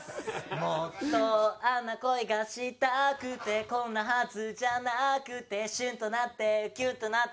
「もっとあんな恋がしたくてこんなはずじゃなくて」「シュンとなってキュンとなって」